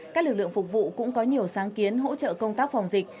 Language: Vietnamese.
các lực lượng phục vụ cũng có nhiều sáng kiến hỗ trợ công tác phòng dịch